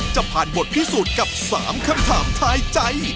จะผ่านบทพิสูจน์กับ๓คำถามท้ายใจ